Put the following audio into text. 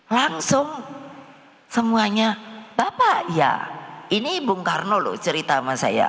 langsung semuanya bapak ya ini bung karno loh cerita sama saya